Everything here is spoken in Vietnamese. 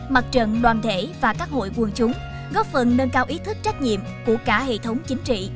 mặt trận đoàn thể và các hội quân chúng góp phần nâng cao ý thức trách nhiệm của cả hệ thống chính trị